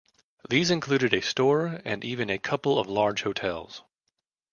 These included a store and even a couple of large hotels.